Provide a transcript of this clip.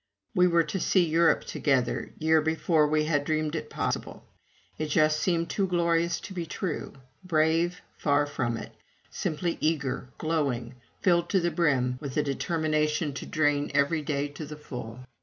We were to see Europe together, year before we had dreamed it possible. It just seemed too glorious to be true. "Brave"? Far from it. Simply eager, glowing, filled to the brim with a determination to drain every day to the full.